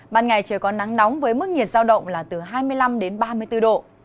ban ngày trời có nắng nóng với mức nhiệt giao động là từ hai mươi năm đến ba mươi bốn độ